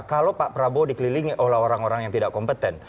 kalau pak prabowo dikelilingi oleh orang orang yang tidak kompeten